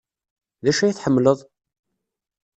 D acu ay tḥemmleḍ?